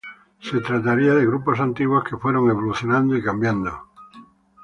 Se trataría de grupos antiguos que fueron evolucionando y cambiando.